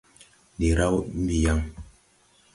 Ndi raw mbi yaŋ.